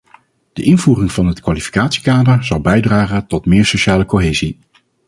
De invoering van het kwalificatiekader zal bijdragen tot meer sociale cohesie.